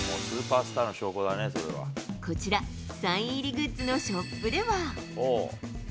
こちら、サイン入りグッズのショップでは。